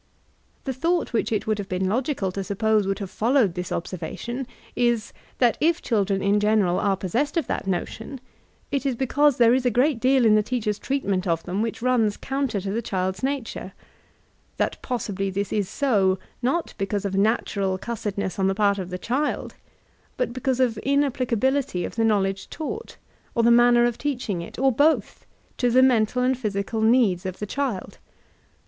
The thought which it would have been logical to suppose would have followed this observation is, that if children in general are pos sessed of that notion, it is because there is a great deal in the teacher's treatment of them which runs counter to the child's nature : that possibly this is so, not because of natural cussedness on the part of the child, but because of inapplicability of the knowledge taught, or the manner of teaching it, or both, to the mental and physical needs of the child.